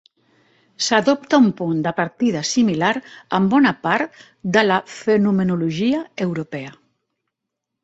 S"adopta un punt de partida similar en bona part de la fenomenologia europea.